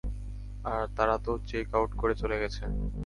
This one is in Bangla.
তারা তো চেক আউট করে চলে গেছে।